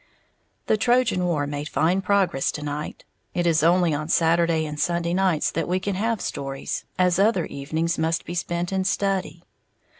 The Trojan War made fine progress to night, it is only on Saturday and Sunday nights that we can have stories, as other evenings must be spent in study.